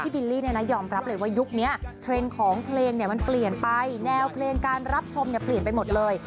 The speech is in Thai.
บิลลี่ยอมรับเลยว่ายุคนี้เทรนด์ของเพลงมันเปลี่ยนไปแนวเพลงการรับชมเปลี่ยนไปหมดเลย